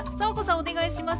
お願いします。